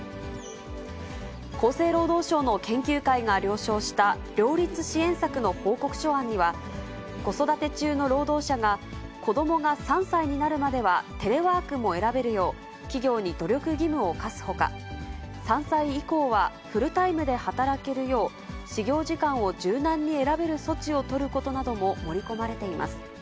厚生労働省の研究会が了承した両立支援策の報告書案には、子育て中の労働者が、子どもが３歳になるまでは、テレワークも選べるよう、企業に努力義務を課すほか、３歳以降はフルタイムで働けるよう、始業時間を柔軟に選べる措置を取ることなども盛り込まれています。